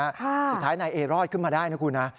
สุดท้ายนายเอรอดขึ้นมาได้นะคุณนะ